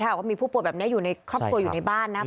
ถ้าอยากว่ามีผู้ป่วยแบบนี้ครอบครัวอยู่ในบ้านนะ